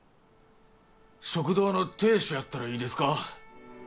食堂の亭主やったらいいですか？